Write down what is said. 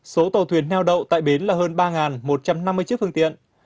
số tàu thuyền neo đậu tại bến là hơn ba một trăm năm mươi chiếc phương tiện